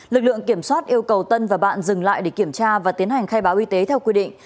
lực lượng kiểm soát yêu cầu tân và bạn dừng lại để kiểm tra và tiến hành khai báo y tế theo quy định